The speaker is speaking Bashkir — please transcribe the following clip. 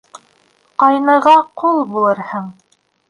Ҡайныға ҡол булырһың.